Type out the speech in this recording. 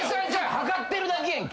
測ってるだけやんけ。